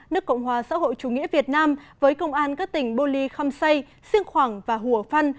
nước cộng hòa xã hội chủ nghĩa việt nam với công an các tỉnh bô ly khăm xây si siêng khoảng và hùa phân